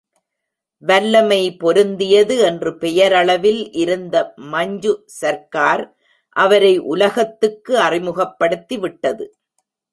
வல்லமை பொருந்தியது என்று பெயரளவில் இருந்த மஞ்சு சர்க்கார் அவரை உலகத்துக்கு அறிமுகப்படுத்திவிட்டது.